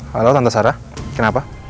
halo tante sarah kenapa